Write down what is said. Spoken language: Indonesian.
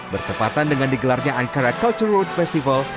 bertepatan dengan digelarnya ankara culture road festival